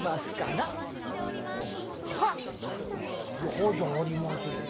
「『は？』じゃありませんよ。